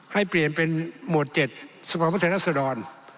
ให้เปลี่ยนเป็นหมวด๗สภาพพุทธรัศดร